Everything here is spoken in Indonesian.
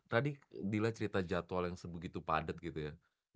tadi dila cerita jadwal yang sebegitu padat gitu ya